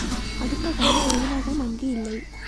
அடுத்த கணம் சீவகன் அங்கு இல்லை.